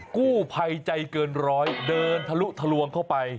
กู้ภัยใจเกินร้อยเดินทะลุทะลวงเข้าไป